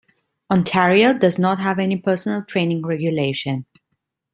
Ontario does not have any personal training regulation.